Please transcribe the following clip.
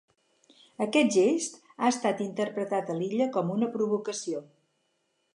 Aquest gest ha estat interpretat a l’illa com una provocació.